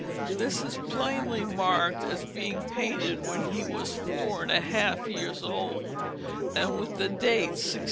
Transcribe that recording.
This is plainly marked as being painted when he was four and a half years old, and with the date 1670.